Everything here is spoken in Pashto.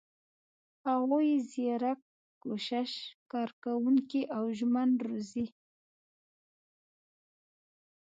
هغوی زیرک، کوښښي، کارکوونکي او ژمن روزي.